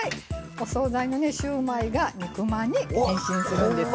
お総菜のシューマイが肉まんに変身するんですよ。